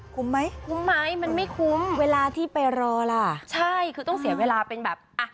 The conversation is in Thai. ไหมคุ้มไหมมันไม่คุ้มเวลาที่ไปรอล่ะใช่คือต้องเสียเวลาเป็นแบบอ่ะ